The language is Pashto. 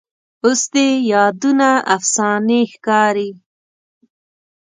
اوس دې یادونه افسانې ښکاري